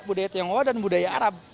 budaya tionghoa dan budaya arab